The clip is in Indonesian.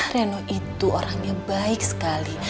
reno itu orangnya baik sekali